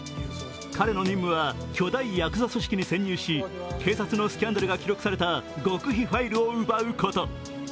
彼の任務は、巨大ヤクザ組織に潜入し警察のスキャンダルが記録された極秘ファイルを奪うこと。